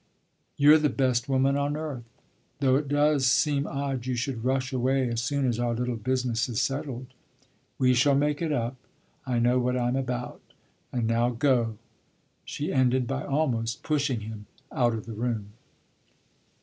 "You're the best woman on earth though it does seem odd you should rush away as soon as our little business is settled." "We shall make it up. I know what I'm about. And now go!" She ended by almost pushing him out of the room.